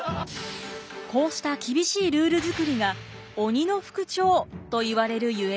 こうした厳しいルール作りが鬼の副長といわれるゆえんでした。